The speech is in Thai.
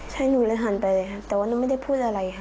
ใช่หนูเลยหันไปแต่ว่าหนูไม่ได้พูดอะไรค่ะ